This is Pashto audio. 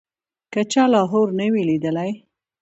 که چا لاهور نه وي لیدلی.